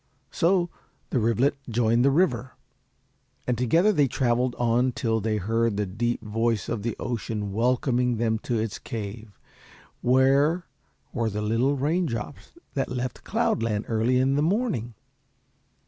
So the rivulet joined the river, and together they travelled on till they heard the deep voice of the ocean welcoming them to its cave. Where were the little raindrops that left Cloudland early in the morning?